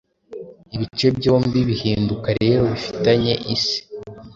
Ibice byombi bihinduka rero bifitanye is